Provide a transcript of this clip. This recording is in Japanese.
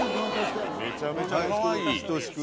めちゃめちゃかわいいあれっ？